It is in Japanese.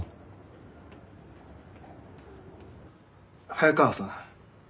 早川さん